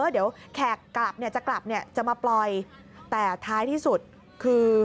เดี๋ยวแขกจะกลับจะมาปล่อยแต่ท้ายที่สุดคือ